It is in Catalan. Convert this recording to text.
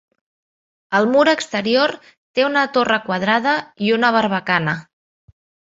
El mur exterior té una torre quadrada i una barbacana.